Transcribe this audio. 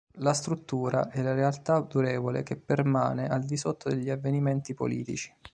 La struttura è la realtà durevole che permane al di sotto degli avvenimenti politici.